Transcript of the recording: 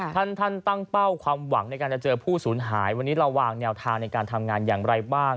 ท่านตั้งเป้าความหวังในการจะเจอผู้สูญหายวันนี้เราวางแนวทางในการทำงานอย่างไรบ้าง